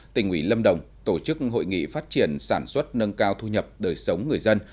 tỉnh ủy lâm đồng tổ chức hội nghị phát triển sản xuất nâng cao thu nhập đời sống người dân